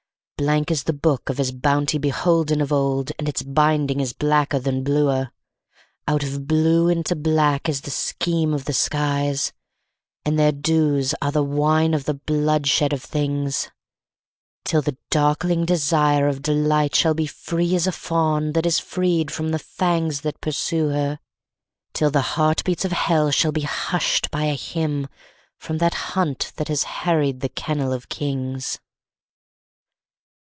Blank is the book of his bounty beholden of old, and its binding is blacker than bluer; Out of blue into black is the scheme of the skies, and their dews are the wine of the bloodshed of things; Till the darkling desire of delight shall be free as a fawn that is freed from the fangs that pursue her, Till the heartbeats of hell shall be hushed by a hymn from that hunt that has harried the kennel of kings.